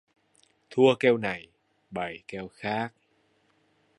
Thua keo này bày keo khác